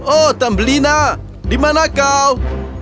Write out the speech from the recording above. oh tambelina dimana kau